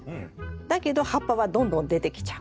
だけど葉っぱはどんどん出てきちゃう。